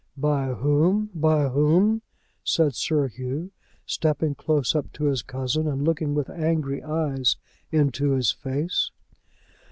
"By whom; by whom?" said Sir Hugh, stepping close up to his cousin and looking with angry eyes into his face.